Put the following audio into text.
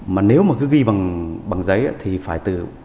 mà nếu mà cứ ghi bằng giấy thì phải từ